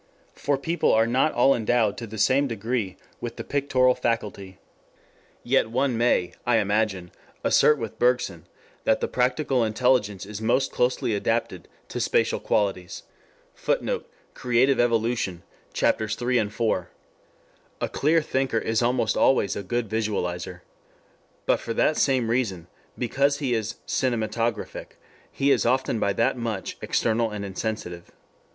For people are not all endowed to the same degree with the pictorial faculty. Yet one may, I imagine, assert with Bergson that the practical intelligence is most closely adapted to spatial qualities. [Footnote: Creative Evolution, Chs. III, IV.] A "clear" thinker is almost always a good visualizer. But for that same reason, because he is "cinematographic," he is often by that much external and insensitive.